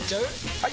・はい！